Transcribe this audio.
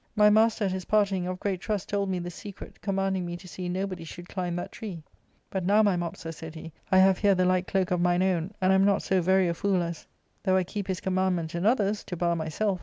My master at his parting of great trust told me this secret, commanding me to see nobody should climb that tree. But now, my Mopsa," said he, " I have here the like cloak of mine own, and am not so very a fool as, though I keep his commandments in others, to bar myself.